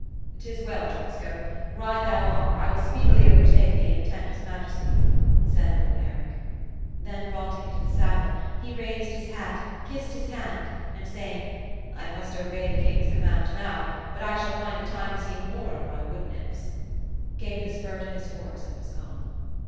^ 'Tis well, Trasco ; ride thou on ; I will speedily overtake thee, and attend his majesty," said lord Eric. Then vaulting into the saddle, he raised his hat, kissed his hand, and saying " I must obey the king's com mand now, but I shall JGind a time to see more of my wood nymphs," gave the spur to his horse, and was gone.